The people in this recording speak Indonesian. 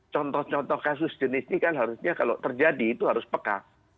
contoh contoh kasus jenis ini kan harusnya kalau terjadi itu harus peka